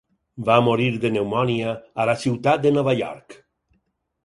Va morir de pneumònia a la ciutat de Nova York.